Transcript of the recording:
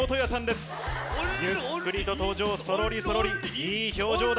ゆっくりと登場そろりそろりいい表情だ。